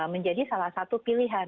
menjadi salah satu pilihan